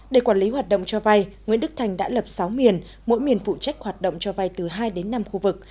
để quản lý hoạt động cho vay nguyễn đức thành đã lập sáu miền mỗi miền phụ trách hoạt động cho vay từ hai đến năm khu vực